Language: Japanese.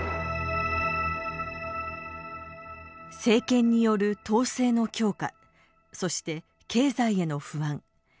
政権による統制の強化そして経済への不安。